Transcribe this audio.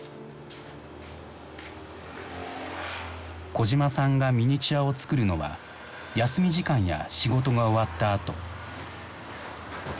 小島さんがミニチュアを作るのは休み時間や仕事が終わった後。